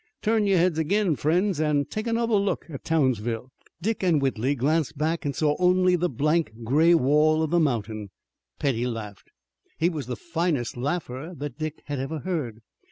Turn your heads ag'in, friends, an' take another look at Townsville." Dick and Whitley glanced back and saw only the blank gray wall of the mountain. Petty laughed. He was the finest laugher that Dick had ever heard.